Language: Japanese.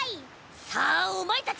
さあおまえたち！